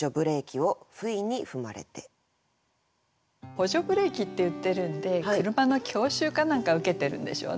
「補助ブレーキ」って言ってるんで車の教習か何か受けてるんでしょうね。